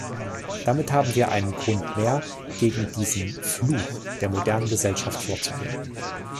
Damit haben wir einen Grund mehr, gegen diesen Fluch der modernen Gesellschaft vorzugehen.